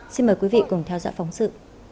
xin mời quý vị cùng theo dõi phóng sự